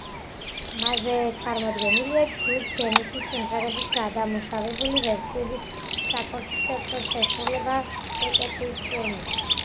მასზე წარმოდგენილია ჯგუფ ჯენესისის სიმღერების გადამუშავებული ვერსიების საკონცერტო შესრულება, ჰეკეტის ტურნედან.